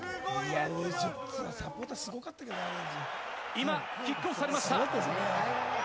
今キックオフされました。